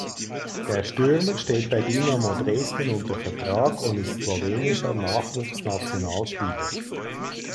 Der Stürmer steht bei Dynamo Dresden unter Vertrag und ist slowenischer Nachwuchsnationalspieler.